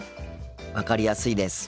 分かりやすいです。